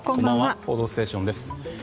「報道ステーション」です。